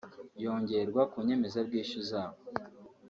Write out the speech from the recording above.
yongerwa ku nyemezabwishyu zabo